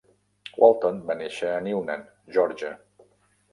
Walton va néixer a Newnan, Georgia.